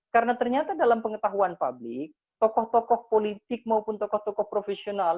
karena ternyata dalam pengetahuan publik tokoh tokoh politik maupun tokoh tokoh profesional